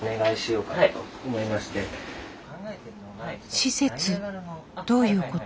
施設？どういうこと？